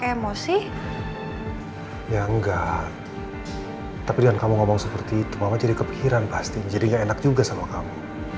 emosi ya enggak tapi dengan kamu ngomong seperti itu mama jadi kepikiran pasti jadinya enak juga sama kamu